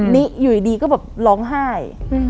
นี่อยู่ดีก็แบบร้องไห้